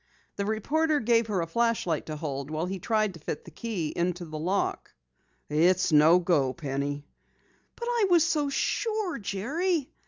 The reporter gave her a flashlight to hold while he tried to fit the key into the lock. "It's no go, Penny." "But I was so sure, Jerry."